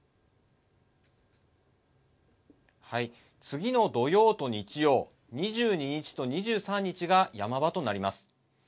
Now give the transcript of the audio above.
次の土曜と日曜２２日と２３日が山場となります。